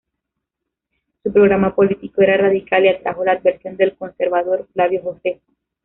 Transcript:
Su programa político era radical y atrajo la aversión del conservador Flavio Josefo.